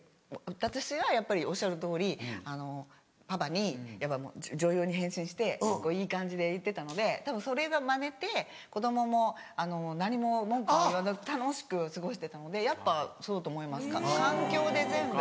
私はやっぱりおっしゃるとおりパパに女優に変身していい感じで行ってたのでたぶんそれがマネて子供も何も文句も言わず楽しく過ごしてたのでやっぱそうだと思います環境で全部。